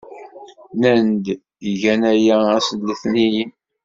Nnan-d gan aya ass n letniyen.